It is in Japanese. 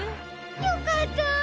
よかった！